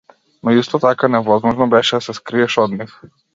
Но исто така невозможно беше да се скриеш од нив.